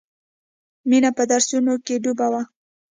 مینه په درسونو کې ډوبه وه